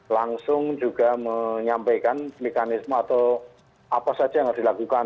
langsung juga menyampaikan mekanisme atau apa saja yang harus dilakukan